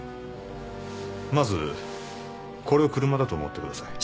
まずこれを車だと思ってください。